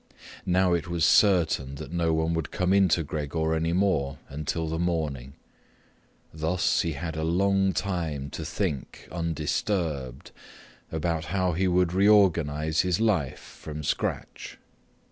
Now it was certain that no one would come into Gregor any more until the morning. Thus, he had a long time to think undisturbed about how he should reorganize his life from scratch.